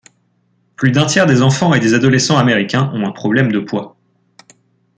Plus d'un tiers des enfants et des adolescents américains ont un problème de poids.